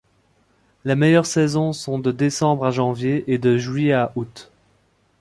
Les meilleures saisons sont de décembre à janvier et de juillet à août.